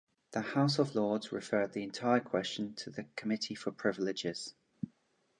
The House of Lords referred the entire question to the Committee for Privileges.